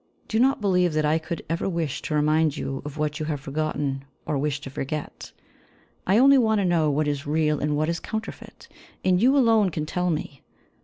Do not believe that I could ever wish to remind you of what you have forgotten, or wish to forget. I only want to know what is real and what is counterfeit, and you alone can tell me.